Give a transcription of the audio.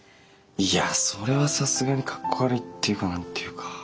いやそれはさすがにカッコ悪いっていうか何ていうか。